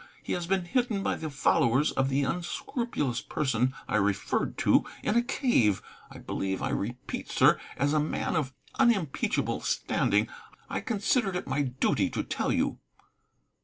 He has been hidden by the followers of the unscrupulous person I referred to, in a cave, I believe. I repeat, sir, as a man of unimpeachable standing, I considered it my duty to tell you."